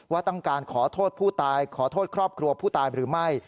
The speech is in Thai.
ว่าต้องการขอโทษผู้ตายขอโทษครอบครัวผู้ตายหรือไม่